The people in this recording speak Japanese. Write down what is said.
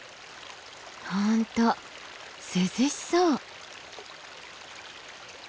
本当涼しそう。